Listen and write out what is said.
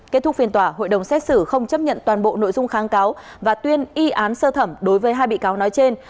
kết thúc phiên tòa hội đồng xét xử không chấp nhận toàn bộ nội dung kháng cáo và tuyên y án sơ thẩm đối với hai bị cáo nói trên